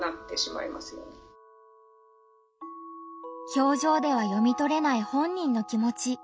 表情では読みとれない本人の気持ち。